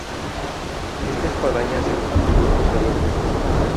Esta espadaña se construyó posteriormente.